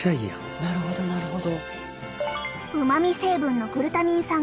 なるほどなるほど。